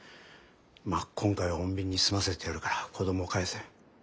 まあ今回は穏便に済ませてやるから子どもを返せ。